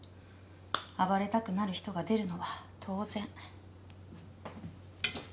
暴れたくなる人が出るのは当然。